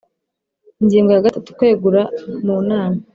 Ingingo ya gatatu Kwegura mu nama